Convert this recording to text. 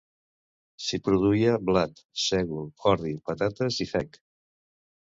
S'hi produïa blat, sègol, ordi, patates i fenc.